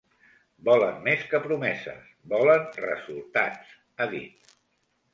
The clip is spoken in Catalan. Volen més que promeses, volen resultats, ha dit.